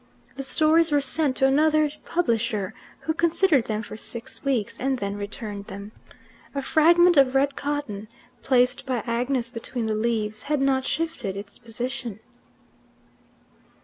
The stories were sent to another publisher, who considered them for six weeks, and then returned them. A fragment of red cotton, Placed by Agnes between the leaves, had not shifted its position.